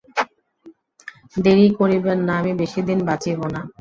দেরি করিবেন না— আমি বেশি দিন বাঁচিব না।